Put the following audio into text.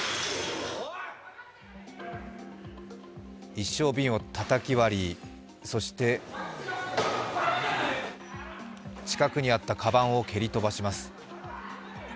一升瓶をたたき割り、そして近くにあったかばんを蹴り飛ばします。